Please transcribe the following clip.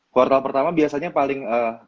kuartal pertama biasanya paling